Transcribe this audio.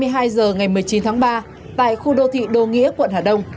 hai mươi hai h ngày một mươi chín tháng ba tại khu đô thị đô nghĩa quận hà đông